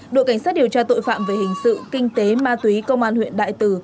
đội cảnh sát điều tra tội phạm về hình sự kinh tế ma túy công an huyện đại từ